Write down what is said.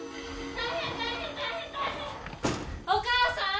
お母さん！